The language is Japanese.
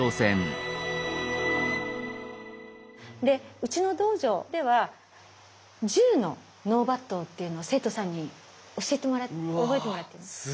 うちの道場では１０の納抜刀っていうのを生徒さんに教えて覚えてもらってるんです。